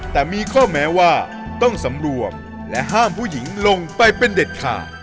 แต่มีข้อแม้ว่าต้องสำรวมและห้ามผู้หญิงลงไปเป็นเด็ดขาด